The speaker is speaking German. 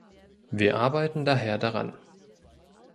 Wir arbeiten daher daran.